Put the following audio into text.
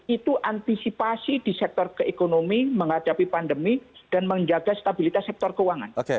itu antisipasi di sektor keekonomi menghadapi pandemi dan menjaga stabilitas sektor keuangan